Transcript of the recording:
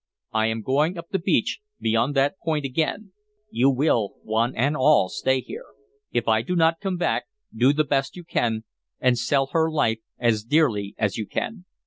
"I am going up the beach, beyond that point, again; you will one and all stay here. If I do not come back, do the best you can, and sell her life as dearly as you can.